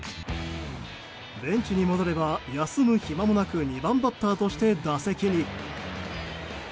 ベンチに戻れば、休む暇もなく２番バッターとして打席に。